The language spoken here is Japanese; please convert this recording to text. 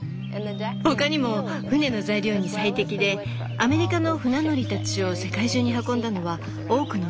ほかにも船の材料に最適でアメリカの船乗りたちを世界中に運んだのはオークの船でした。